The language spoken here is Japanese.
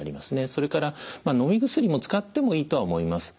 それからのみ薬も使ってもいいとは思います。